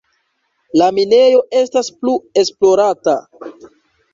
La minejo estas plu esplorata.